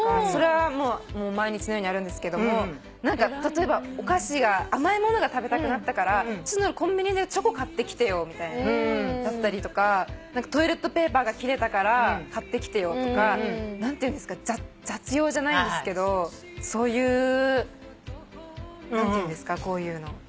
それは毎日のようにやるんですけども何か例えば甘い物が食べたくなったからコンビニでチョコ買ってきてよみたいなだったりとかトイレットペーパーが切れたから買ってきてよとか雑用じゃないんですけどそういう何ていうんですかこういうの。